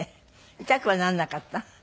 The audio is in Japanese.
痛くはならなかった？